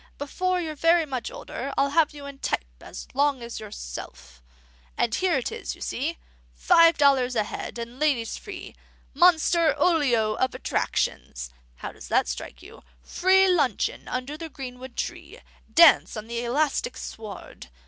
'Before you're very much older, I'll have you in type as long as yourself.' And here it is, you see.) 'Five dollars a head, and ladies free. MONSTER OLIO OF ATTRACTIONS.' (How does that strike you?) 'Free luncheon under the greenwood tree. Dance on the elastic sward.